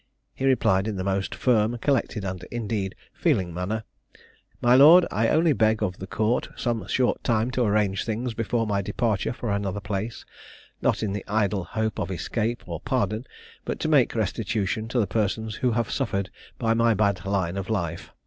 he replied in the most firm, collected, and, indeed, feeling manner, "My lord, I only beg of the Court some short time to arrange things before my departure for another place; not in the idle hope of escape or pardon, but to make restitution to the persons who have suffered by my bad line of life.